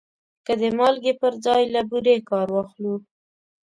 که د مالګې پر ځای له بورې کار واخلو.